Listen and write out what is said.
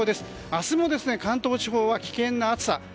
明日も、関東地方は危険な暑さ。